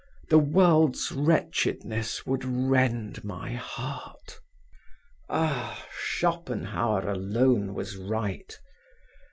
The world's wretchedness would rend my heart." Ah! Schopenhauer alone was right.